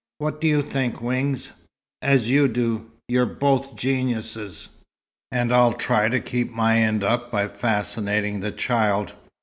"What do you think, Wings?" "As you do. You're both geniuses. And I'll try to keep my end up by fascinating the child.